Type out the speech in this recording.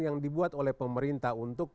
yang dibuat oleh pemerintah untuk